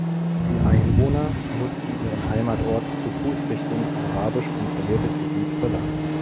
Die Einwohner mussten ihren Heimatort zu Fuß Richtung arabisch kontrolliertes Gebiet verlassen.